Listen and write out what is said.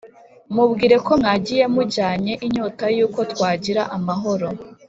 mubwire ko mwagiye mujyanye inyota y'uko twagira amahoro,